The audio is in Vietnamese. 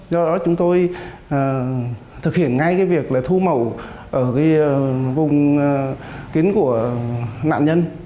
do đó chúng tôi thực hiện ngay việc thu mẫu ở vùng kín của nạn nhân